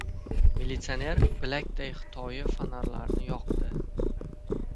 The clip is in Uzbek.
Militsioner bilakday xitoyi fonarlarini yoqdi.